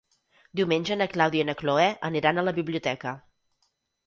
Diumenge na Clàudia i na Cloè aniran a la biblioteca.